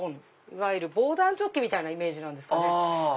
いわゆる防弾チョッキみたいなイメージなんですかね。